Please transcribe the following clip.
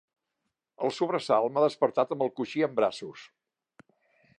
El sobresalt m'ha despertat amb el coixí en braços.